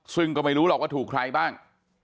ซึ่งก็ไม่รู้หรอกว่าถูกใครบ้าง